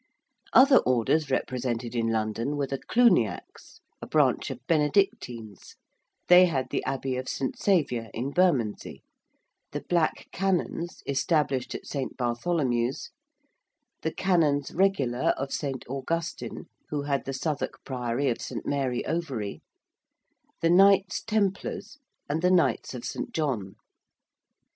Other Orders represented in London were the Cluniacs, a branch of Benedictines they had the Abbey of St. Saviour in Bermondsey; the Black Canons, established at St. Bartholomew's: the Canons Regular of St. Augustin who had the Southwark Priory of St. Mary Overie: the Knights Templars; and the Knights of St. John.